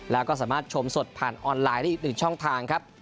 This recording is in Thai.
แล้วก็สามารถชมสดผ่านออนไลน์ได้อีกหนึ่งช่องทางครับ